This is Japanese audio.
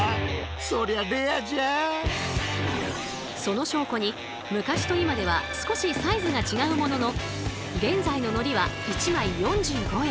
その証拠に昔と今では少しサイズが違うものの現在の海苔は１枚４５円。